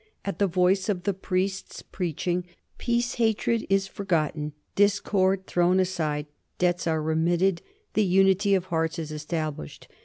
At the voice of the priests preaching peace hatred is forgotten, discord thrown aside, debts are remitted, the unity of hearts is established.